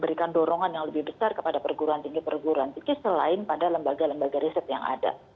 berikan dorongan yang lebih besar kepada perguruan tinggi perguruan tinggi selain pada lembaga lembaga riset yang ada